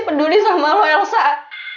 lo dari mana lo dari mana